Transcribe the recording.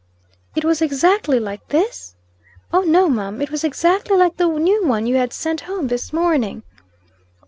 "It was exactly like this?" "Oh, no, mum, it was exactly like the new one you had sent home this morning."